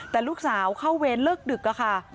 แต่ลูกสาวเข้าเวรเลิกดึกอะค่ะ